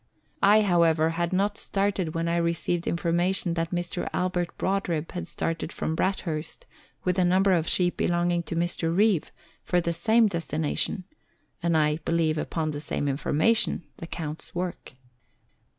I, however, had not started when I received information that Mr. Albert Brodribb had started from Bathurst, with a number of sheep belonging to Mr. Reeve, for the same destination (and I believe upon the same information the Count's work).